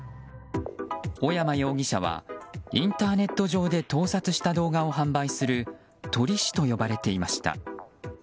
小山容疑者はインターネット上で盗撮した動画を販売する撮り師と呼ばれていました。